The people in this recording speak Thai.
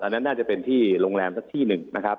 น่าจะเป็นที่โรงแรมสักที่หนึ่งนะครับ